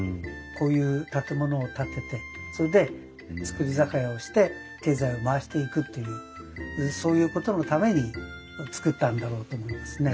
こういう建物を建ててそれで造り酒屋をして経済を回していくというそういうことのために造ったんだろうと思いますね。